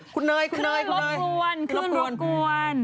คุณเนย